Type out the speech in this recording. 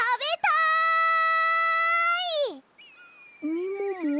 みもも？